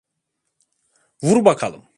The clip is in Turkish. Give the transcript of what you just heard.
Vur bakalım.